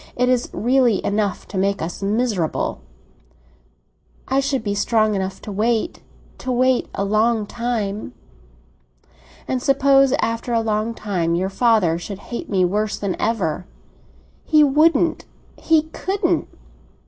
It is really enough to make us miserable." "I should be strong enough to wait—to wait a long time." "And suppose after a long time your father should hate me worse than ever?" "He wouldn't—he couldn't!"